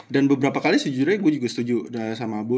dan beberapa kali sejujurnya gue juga setuju sama abu